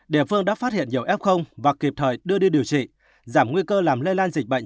địa phương đã phát hiện nhiều f và kịp thời đưa đi điều trị giảm nguy cơ làm lây lan dịch bệnh